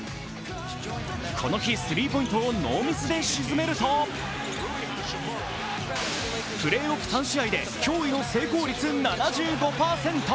この日、スリーポイントをノーミスで沈めるとプレーオフ３試合で驚異の成功率７５％。